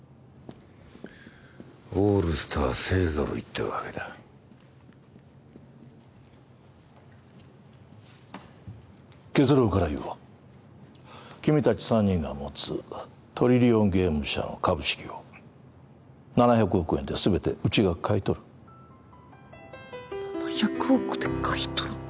オールスター勢ぞろいってわけだ結論から言おう君達３人が持つトリリオンゲーム社の株式を７００億円で全てうちが買い取る７００億で買い取る？